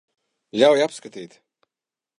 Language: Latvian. Ļauj apskatīt.